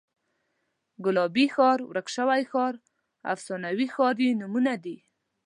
ګلابي ښار، ورک شوی ښار، افسانوي ښار یې نومونه دي.